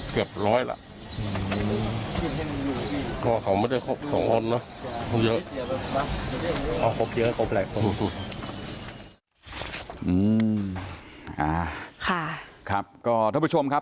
ครับก็ท่านผู้ชมครับ